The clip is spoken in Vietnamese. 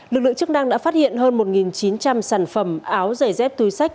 lực lượng chức năng đã phát hiện hơn một chín trăm linh sản phẩm áo giày dép túi sách